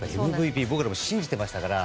ＭＶＰを僕らも信じてましたから。